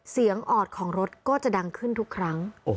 ออดของรถก็จะดังขึ้นทุกครั้ง